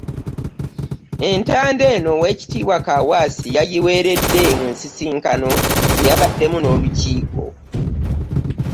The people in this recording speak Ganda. Entanda eno, Oweekitiibwa Kaawaase yagiweeredde mu nsisinkano gye yabaddemu n'olukiiko